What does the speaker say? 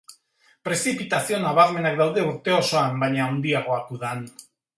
Prezipitazio nabarmenak daude urte osoan, baina handiagoak udan.